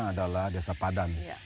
adalah desa padang